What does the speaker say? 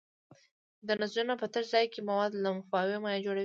د نسجونو په تش ځای کې مواد لمفاوي مایع جوړوي.